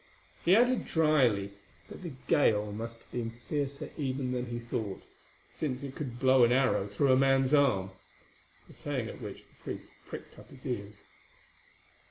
He added drily that the gale must have been fiercer even than he thought, since it could blow an arrow through a man's arm—a saying at which the priest pricked up his ears.